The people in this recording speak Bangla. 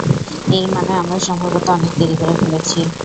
এর মানে আমরা সম্ভবত অনেক দেরি করে ফেলেছি।